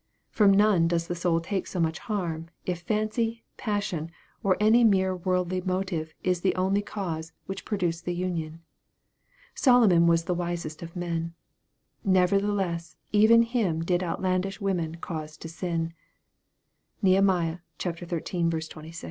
From none does the soul take so much harm, if fancy, passion, or any mere worldly mo tive is the only cause which produce the union. Solo non was the wisest of men. " Nevertheless even him Jid outlandish women cause to sin." (Neh. xiii. 26.) 200 EXPOSITORY THOUGHTS.